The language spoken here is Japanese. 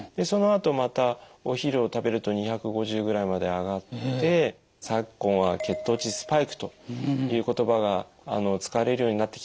そのあとまたお昼を食べると２５０ぐらいまで上がって昨今は血糖値スパイクという言葉が使われるようになってきました。